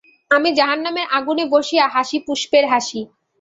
আমি জাহান্নামের আগুনে বসিয়া হাসি পুষ্পের হাসি।